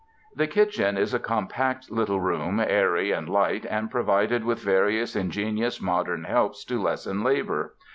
The kitchen is a com pact little room, airy and light, and provided with various ingenious modern helps to lessen labor.